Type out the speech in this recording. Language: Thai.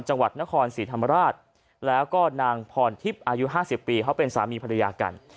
จังหวัดนครศรีธรรมราชแล้วก็นางพรทิพย์อายุ๕๐ปีเขาเป็นสามีภรรยากัน